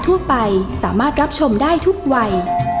ทุกคนพร้อมทางด้วยกล้าวขอต่อมากรึเปล่า